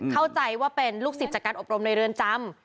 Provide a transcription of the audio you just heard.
เข้าใจว่าเป็นลูกศิษย์จากการอบรมในเรือนจำ